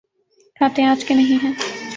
کھاتے آج کے نہیں ہیں۔